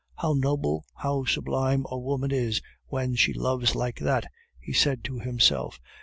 "How noble, how sublime a woman is when she loves like that!" he said to himself.